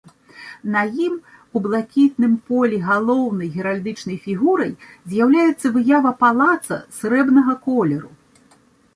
На ім у блакітным полі галоўнай геральдычнай фігурай з'яўляецца выява палаца срэбнага колеру.